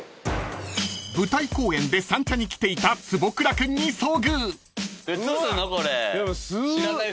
［舞台公演で三茶に来ていた坪倉君に遭遇］